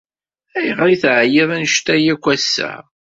Ayɣer ay teɛyiḍ anect-a akk ass-a?